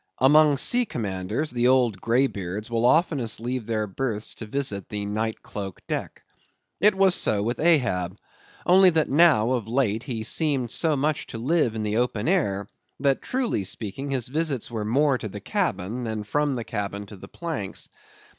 Among sea commanders, the old greybeards will oftenest leave their berths to visit the night cloaked deck. It was so with Ahab; only that now, of late, he seemed so much to live in the open air, that truly speaking, his visits were more to the cabin, than from the cabin to the planks.